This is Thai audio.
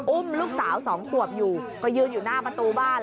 อุ้มลูกสาว๒ขวบอยู่ก็ยืนอยู่หน้าประตูบ้าน